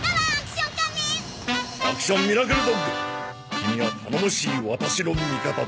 キミは頼もしいワタシの味方だ。